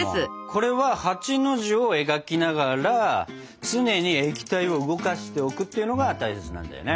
これは８の字を描きながら常に液体を動かしておくっていうのが大切なんだよね。